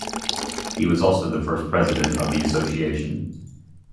He was also the first president of the association.